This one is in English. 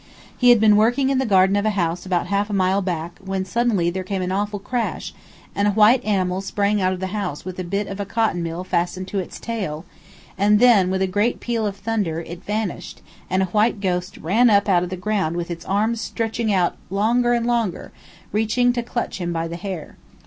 He had been working in the garden of a house about half a mile back when suddenly there came an awful crash, and a white animal sprang out of the house with a bit of a cotton mill fastened to its tail, and then, with a great peal of thunder, it vanished, and a white ghost rose up out of the ground with its arms stretching out longer and longer, reaching to clutch him by the hair.